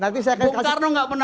bukarno gak pernah